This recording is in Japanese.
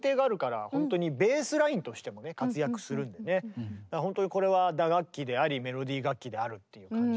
時にはほんとにこれは打楽器でありメロディー楽器であるという感じですね